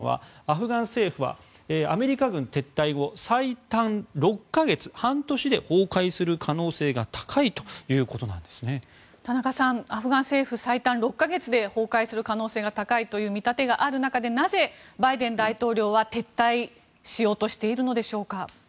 更にウォール・ストリート・ジャーナルによりますとアメリカ情報機関はアフガン政府はアメリカ軍撤退後最短６か月半年で崩壊する可能性が田中さん、アフガン政府最短６か月で崩壊する可能性が高いという見立てがある中でなぜバイデン大統領は撤退しようとしているのでしょうか。